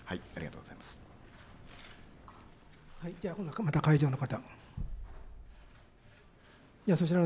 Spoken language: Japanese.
また会場の方。